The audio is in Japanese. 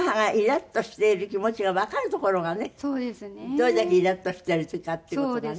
どれだけイラッとしているかっていう事がね。